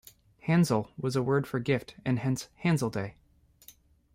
"Handsel" was a word for gift and hence "Handsel Day".